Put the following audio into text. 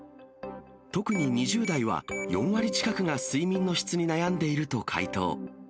特に２０代は４割近くが睡眠の質に悩んでいると回答。